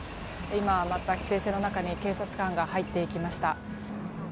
今、また規制線の中に警察官が入っていきました。